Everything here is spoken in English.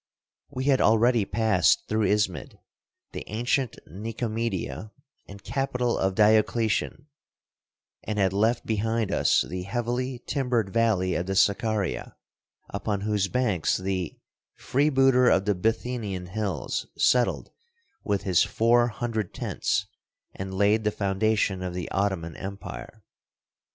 We had already passed through Ismid, the ancient Nicomedia and capital of Diocletian; and had left behind us the heavily timbered valley of the Sakaria, upon whose banks the "Freebooter of the Bithynian hills" settled with his four hundred tents and laid the foundation of the Ottoman empire.